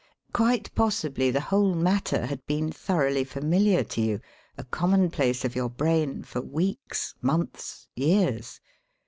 Quite possibly the whole matter had been thoroughly familiar to you, a common place of your brain, for weeks, months, years.